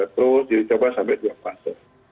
terus dicoba sampai dia pasir